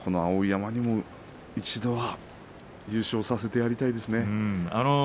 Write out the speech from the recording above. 碧山にも一度は優勝させてやりたいですね。